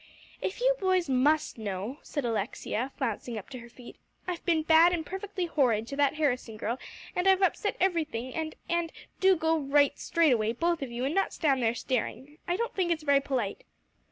"If you boys must know," said Alexia, flouncing up to her feet, "I've been bad and perfectly horrid to that Harrison girl; and I've upset everything; and and do go right straight away, both of you, and not stand there staring. I don't think it's very polite."